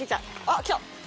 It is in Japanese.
あっきた。